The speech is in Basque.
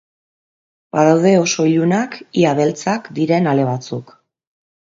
Badaude oso ilunak, ia beltzak, diren ale batzuk.